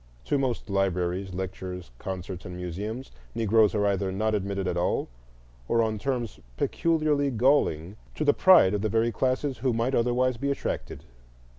To most libraries, lectures, concerts, and museums, Negroes are either not admitted at all, or on terms peculiarly galling to the pride of the very classes who might otherwise be attracted.